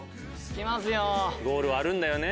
ゴールはあるんだよね。